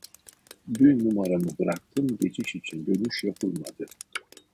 Dün numaramı bıraktım geçiş için dönüş yapılmadı